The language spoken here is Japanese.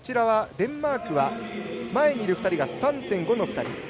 デンマークは前にいる２人が３．５の２人。